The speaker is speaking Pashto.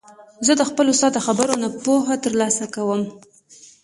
زه د خپل استاد د خبرو نه پوهه تر لاسه کوم.